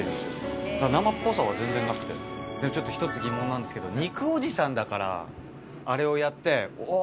生っぽさは全然なくてでも１つ疑問なんですけど肉おじさんだからあれをやっておぉ！